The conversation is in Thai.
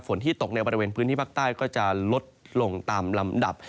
ที่ตกในบริเวณพื้นที่ภาคใต้ก็จะลดลงตามลำดับ